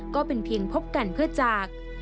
ก็เป็นเพียงพบกันเพื่อจาก